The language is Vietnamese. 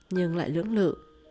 nhưng lại lưỡng lự